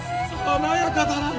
華やかだな